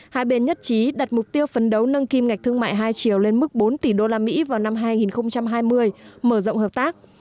hai bên nhất trí đặt mục tiêu phấn đấu nâng kim ngạch thương mại hai chiều lên mức bốn tỷ đô la mỹ vào năm hai nghìn hai mươi mở rộng hợp tác